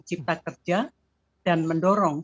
cipta kerja dan mendorong